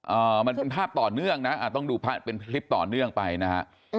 อ่ามันเป็นภาพต่อเนื่องนะอ่าต้องดูเป็นคลิปต่อเนื่องไปนะฮะ